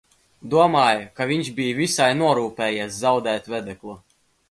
Domāju, ka viņš bij visai norūpējies zaudēt vedeklu.